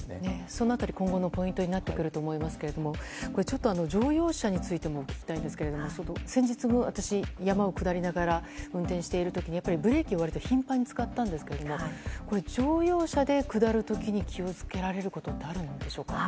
その辺り今後のポイントになってくると思いますがちょっと乗用車についても聞きたいんですが先日私、山を下りながら運転している時にブレーキを割と頻繁に使ったんですが乗用車で下る時に気を付けられることはあるのでしょうか。